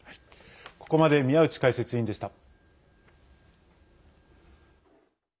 ここまで宮内解説委員でした。